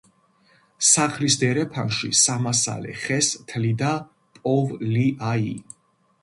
სახლის დერეფანში სამასალე ხეს თლიდა პოვლიაი